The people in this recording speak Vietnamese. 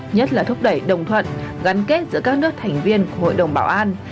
nhất là thúc đẩy đồng thuận gắn kết giữa các nước thành viên của hội đồng bảo an